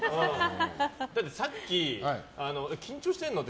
だって、さっき緊張してるの？って